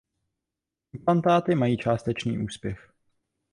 Implantáty mají částečný úspěch.